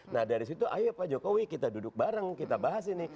nah dari situ ayo pak jokowi kita duduk bareng kita bahas ini